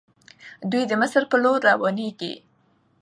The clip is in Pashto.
دوی د مصر په لور روانيږي.